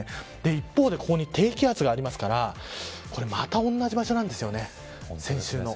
一方でここに低気圧がありますからまた同じ場所なんですよね先週と。